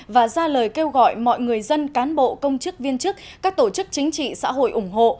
và ra lời kêu gọi mọi người dân cán bộ công chức viên chức các tổ chức chính trị xã hội ủng hộ